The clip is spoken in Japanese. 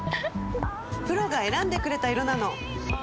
プロが選んでくれた色なの！